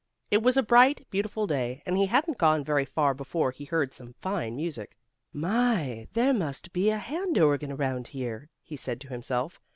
It was a bright, beautiful day, and he hadn't gone very far before he heard some fine music. "My, there must be a hand organ around here," he said to himself.